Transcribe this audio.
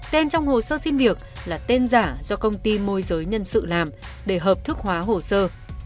tên trong hồ sơ xin việc là tên giả do công ty môi giới nhân sự làm để hợp thức hóa hồ sơ